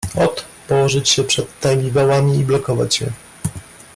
"Ot, położyć się przed temi wałami i blokować je."